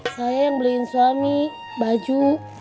saya yang beliin suami baju